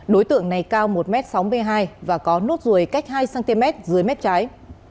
đối tượng này cao một m sáu mươi hai và có nốt ruồi cách hai cm dưới mép trái